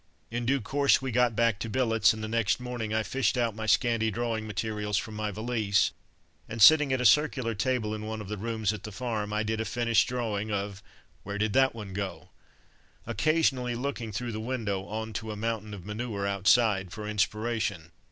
In due course we got back to billets, and the next morning I fished out my scanty drawing materials from my valise, and sitting at a circular table in one of the rooms at the farm, I did a finished drawing of "Where did that one go," occasionally looking through the window on to a mountain of manure outside for inspiration.